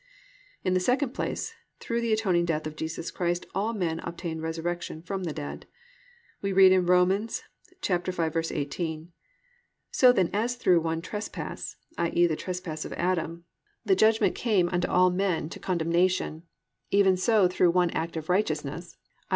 2. In the second place through the atoning death of Jesus Christ all men obtain resurrection from the dead. We read in Rom. 5:18, +"So then as through one trespass+ (i.e., the trespass of Adam) +the judgment came unto all men to condemnation; even so through one act of righteousness+ (i.